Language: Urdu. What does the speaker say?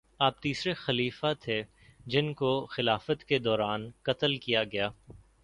آپ تیسرے خلیفہ تھے جن کو خلافت کے دوران قتل کیا گیا